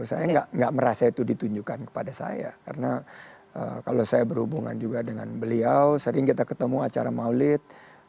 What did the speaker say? saya nggak merasa itu ditunjukkan kepada saya karena kalau saya berhubungan juga dengan beliau sering kita ketemu acara maulid